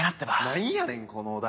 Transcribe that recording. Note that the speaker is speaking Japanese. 何やねんこのお題！